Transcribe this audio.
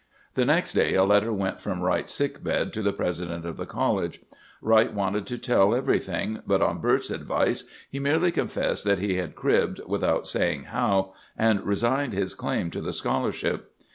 "The next day a letter went from Wright's sick bed to the president of the college. Wright wanted to tell everything; but on Bert's advice he merely confessed that he had cribbed, without saying how, and resigned his claim to the scholarship.